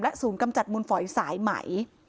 ศูนย์กำจัดมูลฝอยสายไหม